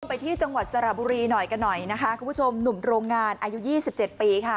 ไปที่จังหวัดสระบุรีหน่อยกันหน่อยนะคะคุณผู้ชมหนุ่มโรงงานอายุ๒๗ปีค่ะ